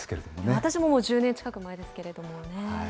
私ももう１０年近く前ですけれどもね。